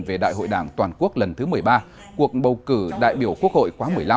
về đại hội đảng toàn quốc lần thứ một mươi ba cuộc bầu cử đại biểu quốc hội khóa một mươi năm